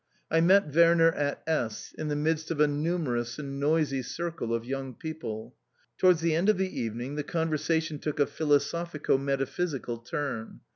I met Werner at S , in the midst of a numerous and noisy circle of young people. Towards the end of the evening the conversation took a philosophico metaphysical turn.